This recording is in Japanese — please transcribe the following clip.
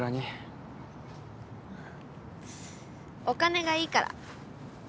お金がいいから。